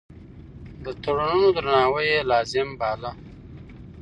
د تړونونو درناوی يې لازم باله.